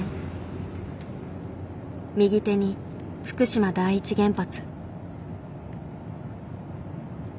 右手に福島第一原発。